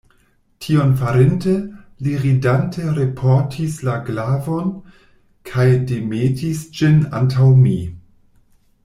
Tion farinte, li ridante reportis la glavon, kaj demetis ĝin antaŭ mi.